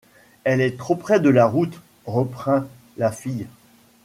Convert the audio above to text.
Elle est trop près de la route, reprint la fille.